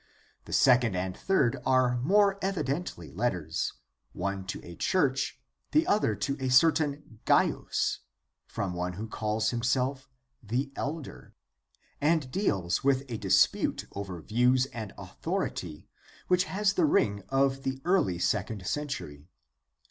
The second and third are 198 GUIDE TO STUDY OF CHRISTIAN RELIGION more evidently letters, one to a church, the other to a certain Gaius, from one who calls himself " the Elder," and deals with a dispute over views and authority which has the ring of the early second century.